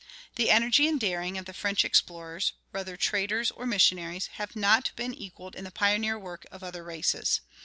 The energy and daring of the French explorers, whether traders or missionaries, have not been equaled in the pioneer work of other races.